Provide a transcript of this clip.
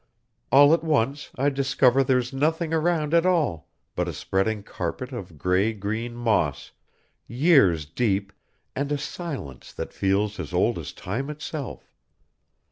All at once, I discover there's nothing around at all but a spreading carpet of gray green moss, years deep, and a silence that feels as old as time itself.